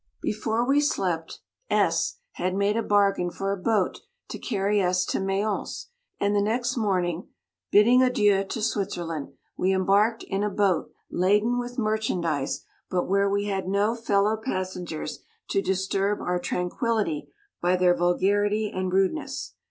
Before we slept, S # had made a bargain for a boat to carry us to May ence, and the next morning, bidding adieu to Switzerland, we embarked in a boat laden with merchandize, but where we had no fellow passengers to disturb our tranquillity by their vul garity and rudeness.